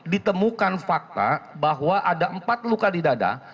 ditemukan fakta bahwa ada empat luka di dada